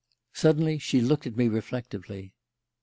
Suddenly she looked at me reflectively.